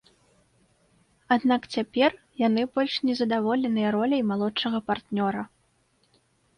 Аднак цяпер яны больш не задаволеныя роляй малодшага партнёра.